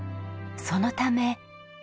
そのため。